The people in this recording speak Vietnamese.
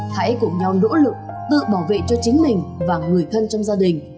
hãy cùng nhau nỗ lực tự bảo vệ cho chính mình và người thân trong gia đình